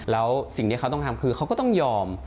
แล้วสิ่งที่เขาต้องทำคือเขาก็ต้องยอม